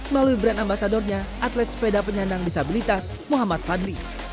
melalui brand ambasadornya atlet sepeda penyandang disabilitas muhammad fadli